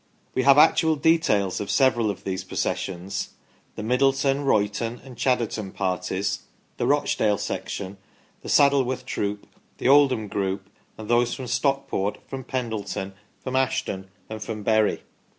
We have actual details of several of these processions the Middleton, Royton, and Chadderton parties, the Rochdale section, the Saddleworth troop, the Oldham group, and those from Stockport, from Pendleton, from Ashton, and from Bury.